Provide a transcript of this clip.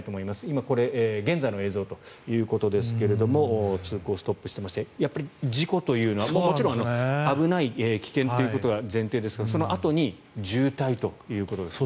今、これは現在の映像ということですが通行、ストップしていましてもちろん事故というのは危ない、危険というのが前提ではありますがそのあとに渋滞ということですね。